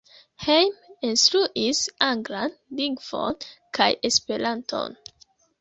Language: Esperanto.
Hejme instruis anglan lingvon kaj Esperanton.